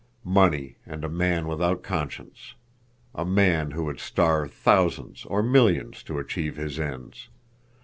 Money—and a man without conscience. A man who would starve thousands or millions to achieve his ends.